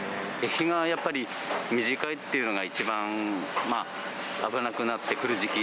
日がやっぱり短いっていうのが一番危なくなってくる時期。